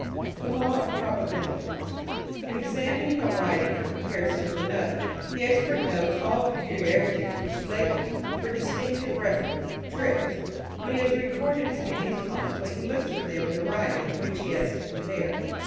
The Law of Probabilities. In examining a writing for comparison with another the expert notes all peculiarities, which he labels, for distinctive reference, "tricks." When he has recorded as many as possible he looks for them in the writing which he has to compare.